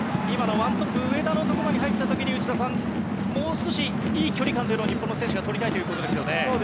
今の１トップ上田のところに入った時に内田さん、もう少しいい距離感を日本の選手がとりたいということですよね。